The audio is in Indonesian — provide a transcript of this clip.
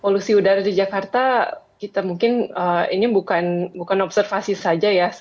polusi udara di jakarta kita mungkin ini bukan observasi saja ya